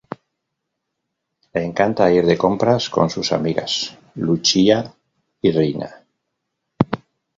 Le encanta ir de compras con sus amigas Luchia y Rina.